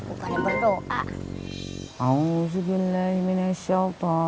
uh gua bikin diet